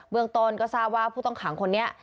เมืองต้นก็ทราบว่าผู้ต้องขังคนนี้